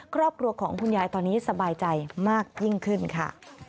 ครอบครัวของคุณยายตอนนี้สบายใจมากยิ่งขึ้นค่ะ